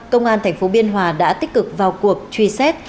công an tp biên hòa đã tích cực vào cuộc truy xét